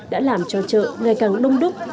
đã làm cho chợ ngày càng đông đúc